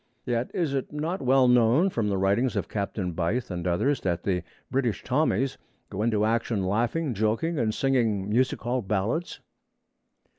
Yet is it not well known from the writings of Captain Beith and others that the British Tommies go into action laughing, joking, and singing music hall ballads?